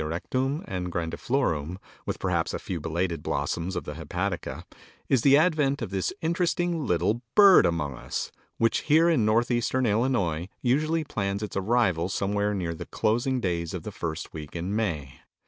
erectum and grandiflorum, with perhaps a few belated blossoms of the hepatica, is the advent of this interesting little bird among us, which here in Northeastern Illinois usually plans its arrival somewhere near the closing days of the first week in May.